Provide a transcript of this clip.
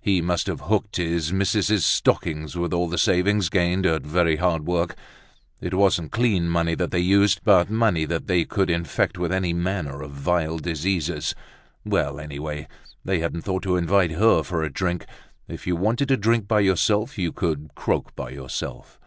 He must have hooked his missus's stocking with all the savings gained at very hard work. It wasn't clean money they had used, but money that could infect them with any manner of vile diseases. Well, anyway, they hadn't thought to invite her for a drink. If you wanted to drink by yourself, you could croak by yourself.